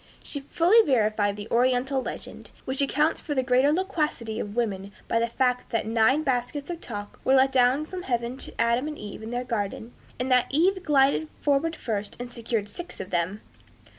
She fully verified the Oriental legend, which accounts for the greater loquacity of women by the fact that nine baskets of talk were let down from heaven to Adam and Eve in their garden, and that Eve glided forward first and secured six of them.